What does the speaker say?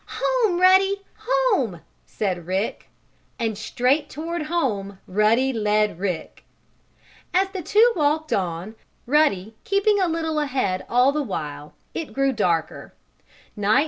"Home, Ruddy! Home!" said Rick. And straight toward home Ruddy led Rick. As the two walked on, Ruddy keeping a little ahead all the while, it grew darker.